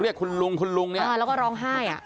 เรียกคุณลุงคุณลุงแล้วก็ร้องไห้